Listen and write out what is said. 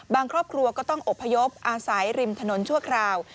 ครอบครัวก็ต้องอบพยพอาศัยริมถนนชั่วคราว